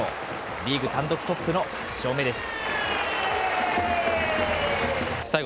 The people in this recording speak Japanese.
リーグ単独トップの８勝目です。